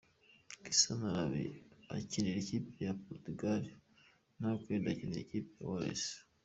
Cristiano araba akinira ikipe ya Portugal na ho Gareth akinira ikipe ya Wales.